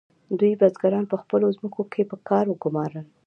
دوی بزګران په خپلو ځمکو کې په کار وګمارل.